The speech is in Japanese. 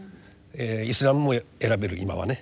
イスラムも選べる今はね。